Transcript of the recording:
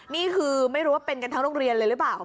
นี่คือไม่รู้ว่าเป็นกันทั้งโรงเรียนเลยหรือเปล่า